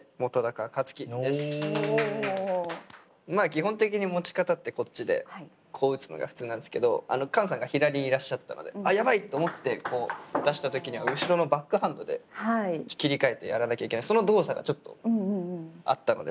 基本的に持ち方ってこっちでこう打つのが普通なんですけどカンさんが左にいらっしゃったので「あっやばい！」って思って出した時には後ろのバックハンドで切り替えてやらなきゃいけないその動作がちょっとあったのでそこを切り取ったという感じです。